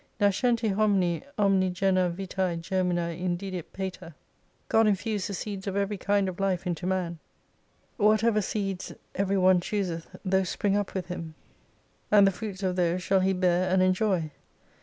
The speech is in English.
Nascenti Homini omnigena vi/ce germina indidit Pater ; God infused the seeds of every kind of life into man : whatever seeds every one chooseth those spring up with him, and the fruits of those shall he bear and enjoy.